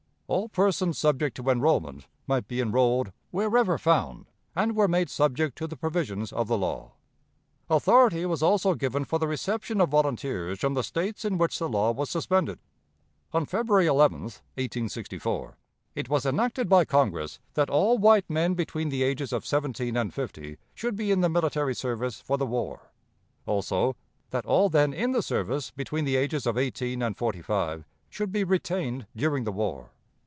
All persons subject to enrollment might be enrolled wherever found, and were made subject to the provisions of the law. Authority was also given for the reception of volunteers from the States in which the law was suspended. On February 11, 1864, it was enacted by Congress that all white men between the ages of seventeen and fifty should be in the military service for the war; also, that all then in the service between the ages of eighteen and forty five should be retained during the war.